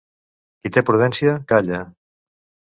Qui té prudència, calla.